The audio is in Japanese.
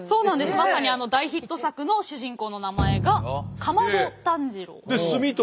まさにあの大ヒット作の主人公の名前がで「炭」と「竈」